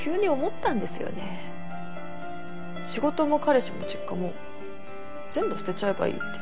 仕事も彼氏も実家も全部捨てちゃえばいいって。